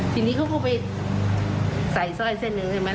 ทีนี้เขาก็ไปใส่สร้อยเส้นหนึ่งใช่ไหม